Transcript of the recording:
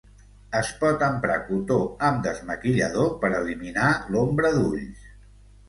Es pot emprar cotó amb desmaquillador per eliminar l'ombra d'ulls.